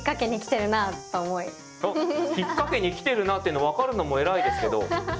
ひっかけにきてるなっての分かるのも偉いですけど。